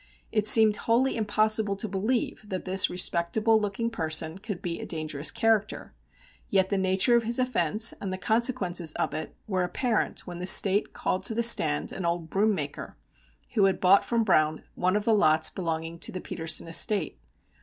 It seemed wholly impossible to believe that this respectable looking person could be a dangerous character, yet the nature of his offence and the consequences of it were apparent when the State called to the stand an old broom maker, who had bought from Browne one of the lots belonging to the Petersen estate.